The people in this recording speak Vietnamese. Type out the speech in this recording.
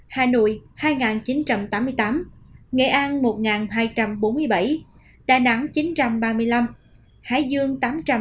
hà nội hai chín trăm tám mươi tám nghệ an một hai trăm bốn mươi bảy đà nẵng chín trăm ba mươi năm hải dương tám trăm bốn mươi năm